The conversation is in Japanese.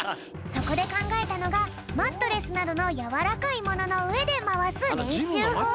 そこでかんがえたのがマットレスなどのやわらかいもののうえでまわすれんしゅうほう。